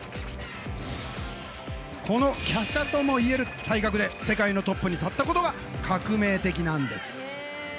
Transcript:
この華奢ともいえる体格で世界のトップに立ったことが革命的なんです！